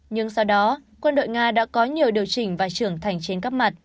nhưng sau đó quân đội nga đã có nhiều điều chỉnh và trưởng thành trên các mặt